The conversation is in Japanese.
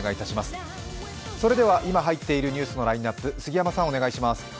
それでは今入っているニュースのラインナップ杉山さんお願いします。